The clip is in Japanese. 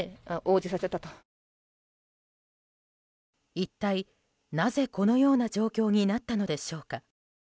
一体なぜ、このような状況になったのでしょうか。